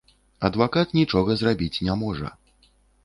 Адвакат нічога зрабіць не можа.